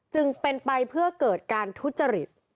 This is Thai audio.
จึงเป็นไปเพื่อเกิดการทุจริต